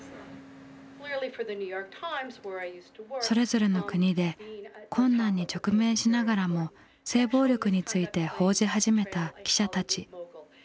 それぞれの国で困難に直面しながらも性暴力について報じ始めた記者たち。